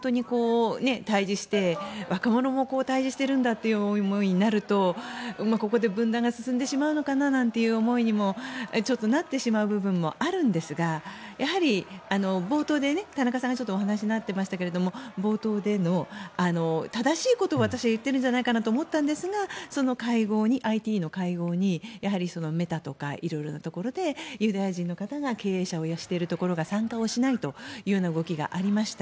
若者も対峙してるんだという思いになるとここで分断が進んでしまうのかなという思いにもちょっとなってしまう部分もあるんですがやはり、冒頭で田中さんがお話になってましたけども正しいことを私は言ってるんじゃないかと思ったんですがそのＩＴの会合にメタとかいるところでユダヤ人の方が経営者をしているところが参加をしないという動きがありました。